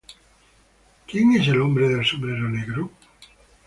¿Quién es el hombre del sombrero negro?